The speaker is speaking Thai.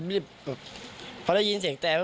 ไม่มีนะครับเขาได้ยินเสียงแปลก